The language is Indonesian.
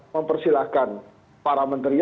mempersilahkan para menteri